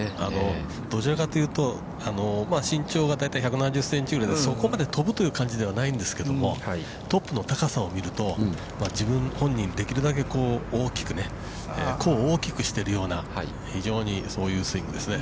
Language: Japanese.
どちらかというと、身長が大体１７０センチぐらいなので、そこまで飛ぶという感じではないんですけど、トップの高さを見ると、本人、できるだけ大きく、弧を大きくしているようなそういうスイングですね。